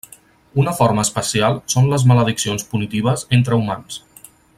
Una forma especial són les malediccions punitives entre humans.